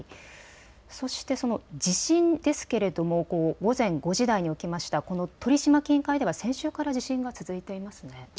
そして、地震ですけれども午前５時台に起きました鳥島近海では先週から地震が続いていますね。